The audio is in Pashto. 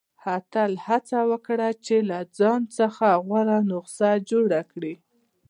• تل هڅه وکړه چې له ځان څخه غوره نسخه جوړه کړې.